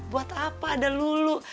buat apa ada lulu